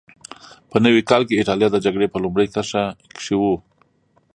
په نوي کال کې اېټالیا د جګړې په لومړۍ کرښه کې وه.